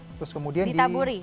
terus kemudian ditaburi